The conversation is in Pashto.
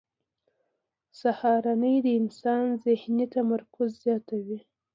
سهارنۍ د انسان ذهني تمرکز زیاتوي.